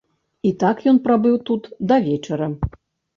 І так ён прабыў тут да вечара.